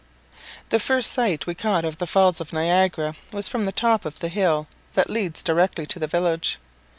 The first sight we caught of the Falls of Niagara was from the top of the hill that leads directly into the village.